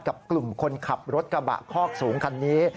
กับกลุ่มคนขับรถกระบะคอกสูงคันนี้